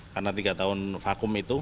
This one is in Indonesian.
karena tiga tahun vakum itu